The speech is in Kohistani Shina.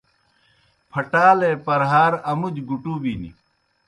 پھٹالے پرہَار آمُودیْ گُٹُبِن۔